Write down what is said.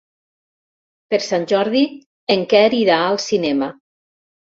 Per Sant Jordi en Quer irà al cinema.